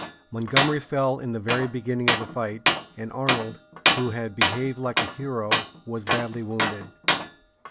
Montgomery fell in the very beginning of the fight, and Arnold, who had behaved like a hero, was badly wounded.